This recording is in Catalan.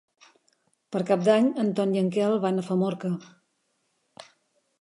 Per Cap d'Any en Ton i en Quel van a Famorca.